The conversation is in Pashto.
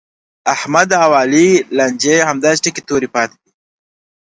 د احمد او علي لانجې همداسې تکې تورې پاتې دي.